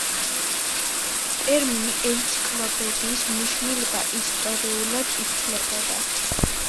ტერმინი „ენციკლოპედიის“ მნიშვნელობა ისტორიულად იცვლებოდა.